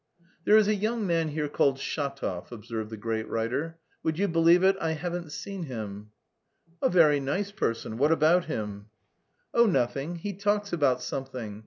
"There is a young man here called Shatov," observed the great writer. "Would you believe it, I haven't seen him." "A very nice person. What about him?" "Oh, nothing. He talks about something.